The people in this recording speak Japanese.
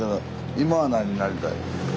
今は何になりたい？